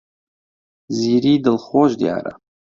زیری دڵخۆش دیارە.